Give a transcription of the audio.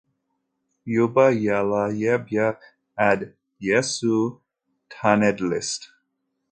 Yuba yella yebɣa ad yesɛu tanedlist.